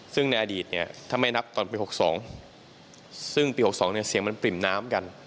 ซึ่งในอดีตถ้าไม่นับตอนปี๖๒ซึ่งปี๖๒เสียงมันปริ่มน้ำกัน